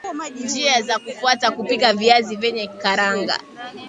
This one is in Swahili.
njia za kufuata kupika viazi vyenye karanga